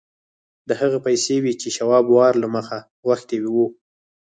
دا هغه پیسې وې چې شواب وار له مخه غوښتي وو